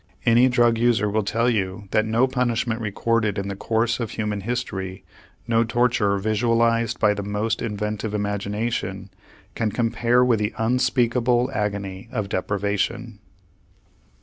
Any drug user will tell you that no punishment recorded in the course of human history, no torture visualized by the most inventive imagination, can compare with the unspeakable agony of deprivation.